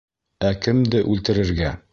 Ә кемде үлтерергә?